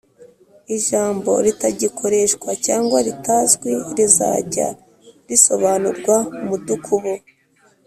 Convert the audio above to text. ijambo ritagikoreshwa cg ritazwi rizajya risobanurwa mudukubo